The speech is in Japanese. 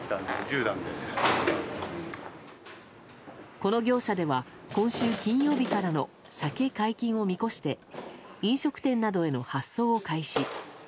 この業者では今週金曜日からの酒解禁を見越して飲食店などへの発送を開始。